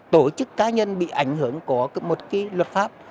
tổ chức cá nhân bị ảnh hưởng của một luật pháp